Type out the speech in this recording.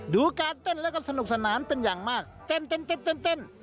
ดูการเต้นแล้วก็สนุกสนานเป็นอย่างมากเต้นเต้นเต้นเต้นเต้น